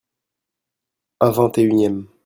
Un vingt-et-unième.